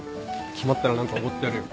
決まったら何かおごってやるよ。